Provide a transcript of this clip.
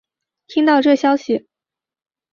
听到这消息